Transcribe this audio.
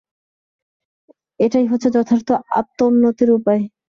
এইটি হচ্ছে যথার্থ আত্মোন্নতির উপায়।